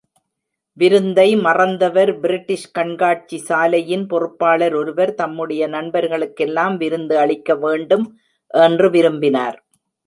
விருந்தை மறந்தவர் பிரிட்டிஷ் கண்காட்சிசாலையின் பொறுப்பாளர் ஒருவர், தம்முடைய நண்பர்களுக்கெல்லாம் விருந்து அளிக்க வேண்டும் என்று விரும்பினார்.